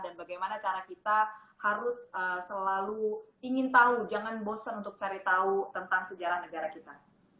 dan bagaimana cara kita harus selalu ingin tahu jangan bosan untuk cari tahu tentang sejarah negara kita